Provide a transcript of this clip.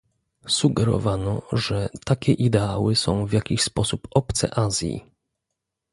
Sugerowano, że takie ideały są w jakiś sposób obce Azji